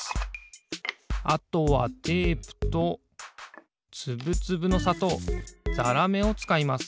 あとはテープとつぶつぶのさとうざらめをつかいます。